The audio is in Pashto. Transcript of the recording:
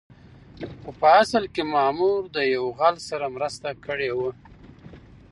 خو په اصل کې مامور د يو غل سره مرسته کړې وه.